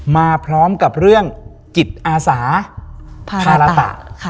มาพร้อมกับเรื่องจิตอาสาภาระตะ